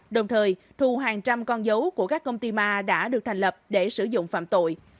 đồng thời thu hàng trăm con dấu của các công ty ma đã được thành lập để sử dụng phạm tội